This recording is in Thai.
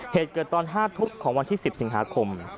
เหตุเกิดตอน๕ทุ่มของวันที่๑๐สิงหาคม